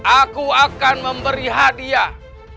aku akan memberi hadiah